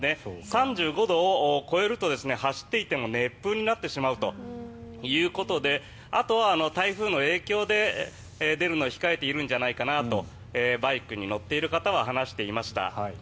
３５度を超えると走っていても熱風になってしまうということであとは台風の影響で、出るのを控えているんじゃないかなとバイクに乗っている方は話していました。